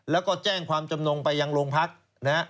แล้วก็แจ้งความจำนงไปยังโรงพักนะฮะ